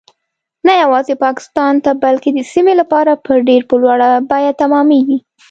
نه یوازې پاکستان ته بلکې د سیمې لپاره به ډیر په لوړه بیه تمامیږي